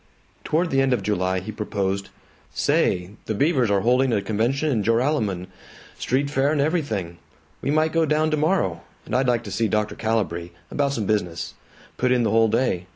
Toward the end of July he proposed, "Say, the Beavers are holding a convention in Joralemon, street fair and everything. We might go down tomorrow. And I'd like to see Dr. Calibree about some business. Put in the whole day.